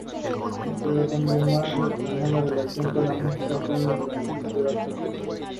Los tallos son normalmente cortos.